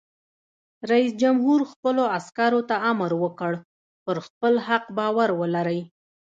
رئیس جمهور خپلو عسکرو ته امر وکړ؛ پر خپل حق باور ولرئ!